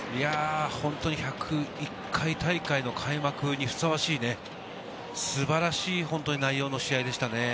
本当に１０１回大会の開幕にふさわしいね、素晴らしい内容の試合でしたね。